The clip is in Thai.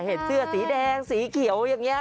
เสื้อสีแดงสีเขียวอย่างนี้